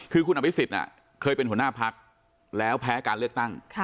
คือคุณอภิษฎเคยเป็นหัวหน้าพักแล้วแพ้การเลือกตั้ง